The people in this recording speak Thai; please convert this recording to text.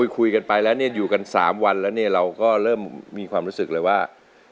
คุยกันไปแล้วเนี่ยอยู่กัน๓วันแล้วเนี่ยเราก็เริ่มมีความรู้สึกเลยว่า